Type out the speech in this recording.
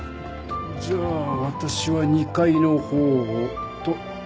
じゃあ私は２階のほうをと。